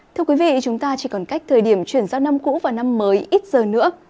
thưa quý vị chúng ta chỉ còn cách thời điểm chuyển giao năm cũ và năm mới ít giờ nữa